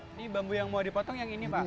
ini bambu yang mau dipotong yang ini pak